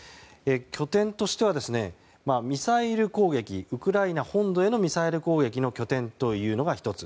拠点としてはウクライナ本土へのミサイル攻撃への拠点というのが１つ。